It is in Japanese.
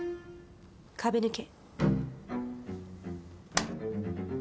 壁抜け。